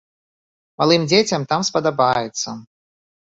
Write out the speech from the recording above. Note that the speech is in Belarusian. Малым дзецям там спадабаецца.